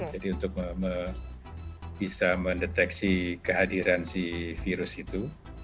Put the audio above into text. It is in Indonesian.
jadi untuk bisa mendeteksi kehadiran si virus itu